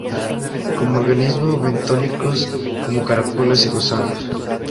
Come organismos bentónicos, como caracoles y gusanos.